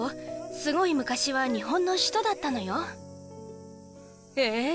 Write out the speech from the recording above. すごい昔は日本の首都だったのよへえ